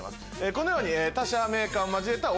このように。